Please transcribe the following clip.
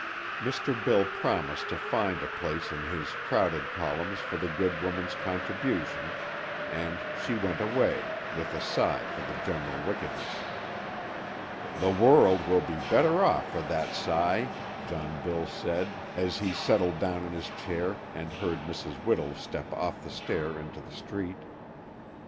Mr. Bill promised to find a place in his crowded columns for the good woman's contribution, and she went away, with a sigh for the general wickedness. "The world will be better off for that sigh," John Bill said, as he settled down in his chair, and heard Mrs. Whittle step off the stair into the street.